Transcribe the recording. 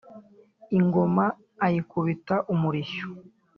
Ingoma ayikubita umurishyo